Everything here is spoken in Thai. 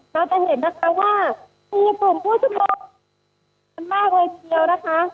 เราจะเห็นนะคะว่ามีกลุ่มผู้จำนวนมากเลยเทียวนะคะ